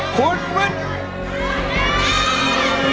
คุณวิทย์